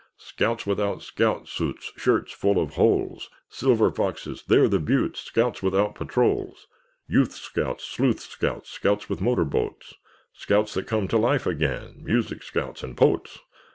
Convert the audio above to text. "Scouts without scout suits, Shirts full of holes, Silver Foxes—they're the beauts! Scouts without patrols. "Youth scouts, sleuth scouts, Scouts with motor boats, Scouts that come to life again, Music scouts and potes.